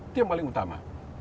itu yang paling utama